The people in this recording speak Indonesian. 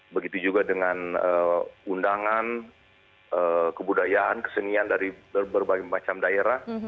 begitu juga dengan undangan kebudayaan kesenian dari berbagai macam daerah